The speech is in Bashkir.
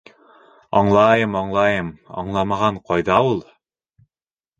Аңлайым-аңлайым, аңламаған ҡайҙа ул!